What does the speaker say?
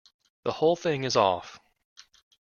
The whole thing is off.